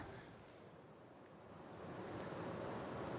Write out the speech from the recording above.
apakah tidak mencari korban ketika ia tidak pulang ke rumah